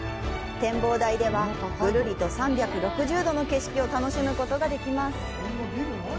展望台では、ぐるりと３６０度の景色を楽しむことができます。